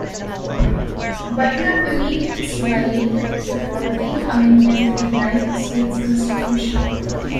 Butler believed this violated the Fourteenth Amendment to the United States Constitution.